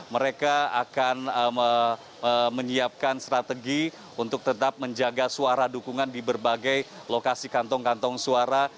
mereka akan menyiapkan strategi untuk tetap menjaga suara dukungan di berbagai lokasi kantong kantong suara